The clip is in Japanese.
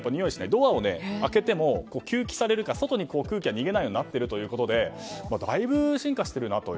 ドアを開けても外に空気が逃げないようになっているということでだいぶ進化しているなと。